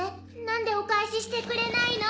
何でお返ししてくれないの？